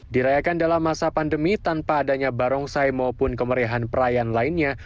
dirayakan dalam masa pandemi tanpa adanya barongsai maupun kemeriahan perayaan lainnya